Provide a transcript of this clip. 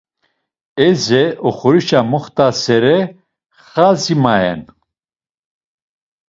Eze oxorişe moxt̆asere xadzi mayen.